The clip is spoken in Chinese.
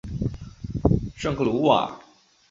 圣克鲁瓦。